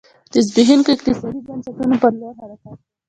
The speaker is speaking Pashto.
د زبېښونکو اقتصادي بنسټونو په لور حرکت و.